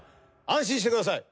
安心してください。